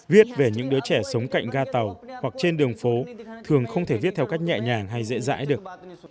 viết về những đứa trẻ sống cạnh ga tàu hoặc trên đường phố thường không thể viết theo cách nhẹ nhàng hay dễ dãi được